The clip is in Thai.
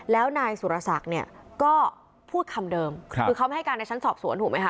แล้วนายสุรศักดิ์เนี่ยก็พูดคำเดิมคือเขาไม่ให้การในชั้นสอบสวนถูกไหมคะ